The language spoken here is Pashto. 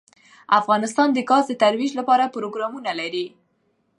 افغانستان د ګاز د ترویج لپاره پروګرامونه لري.